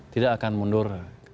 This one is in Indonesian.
tidak akan mundur